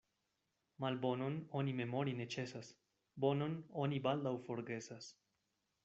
Malbonon oni memori ne ĉesas, bonon oni baldaŭ forgesas.